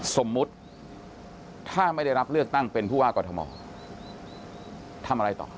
สมมุติถ้าไม่ได้รับเลือกตั้งเป็นผู้ว่ากอทมทำอะไรต่อ